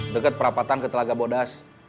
dekat perapatan ke telaga bodas